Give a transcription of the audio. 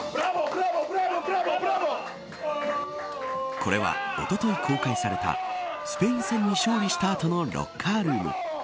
これは、おととい公開されたスペイン戦に勝利した後のロッカールーム。